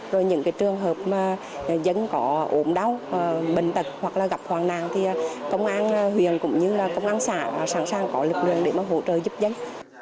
rồi những cái trường hợp mà dân có ổn đau bệnh tật hoặc là gặp hoàn nạn thì công an huyền cũng như là công an xã sẵn sàng có lực lượng để mà hỗ trợ giúp dân